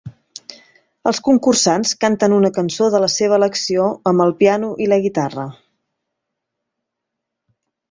Els concursants canten una cançó de la seva elecció amb el piano i la guitarra.